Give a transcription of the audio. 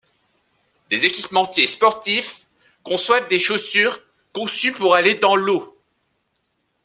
Des équipementiers sportifs conçoivent des chaussures conçues pour aller dans l’eau.